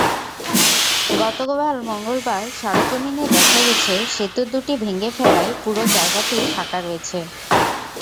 গতকাল মঙ্গলবার সরেজমিনে দেখা গেছে, সেতু দুটি ভেঙে ফেলায় পুরো জায়গাটি ফাঁকা রয়েছে।